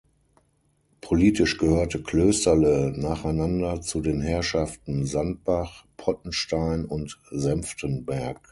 Politisch gehörte Klösterle nacheinander zu den Herrschaften Sandbach, Pottenstein und Senftenberg.